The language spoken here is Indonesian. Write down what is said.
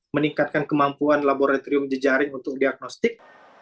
meningkatkan kemampuan laboratorium jejaring untuk diagnostik